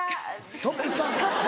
トップスターと。